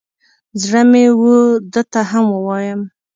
زړه مې و ده ته هم ووایم.